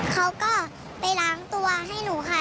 เขาก็ไปล้างตัวให้หนูค่ะ